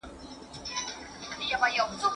د مرگ څخه چاره نسته.